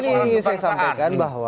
nah ini yang ingin saya sampaikan bahwa